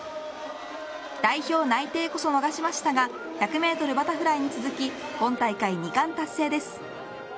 代表内定こそ逃しましたが１００メートルバタフライに続き今大会２冠達成です。